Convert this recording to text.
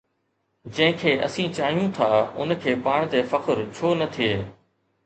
جنهن کي اسين چاهيون ٿا، ان کي پاڻ تي فخر ڇو نه ٿئي؟